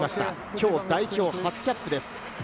きょう代表初キャップです。